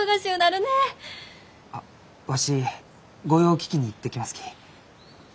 あわし御用聞きに行ってきますき。